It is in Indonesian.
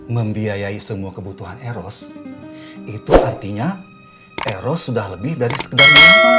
membiayai semua kebutuhan eros itu artinya eros sudah lebih dari sekedar